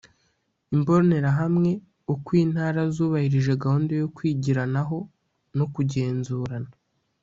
Imbonerahamwe Uko intara zubahirije gahunda yo kwigiranaho no kugenzurana